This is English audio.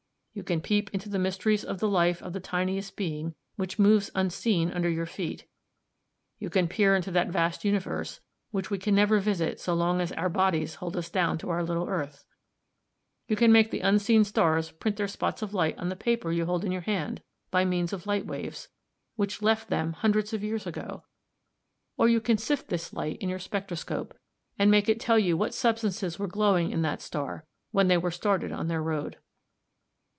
You can peep into the mysteries of the life of the tiniest being which moves unseen under your feet; you can peer into that vast universe, which we can never visit so long as our bodies hold us down to our little earth; you can make the unseen stars print their spots of light on the paper you hold in your hand, by means of light waves, which left them hundreds of years ago; or you can sift this light in your spectroscope, and make it tell you what substances were glowing in that star when they were started on their road.